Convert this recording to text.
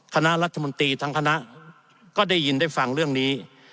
คณะรัฐมนตรีทั้งคณะก็ได้ยินได้ฟังเรื่องนี้